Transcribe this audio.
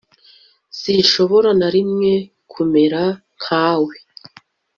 sinshobora na rimwe kumera nkawe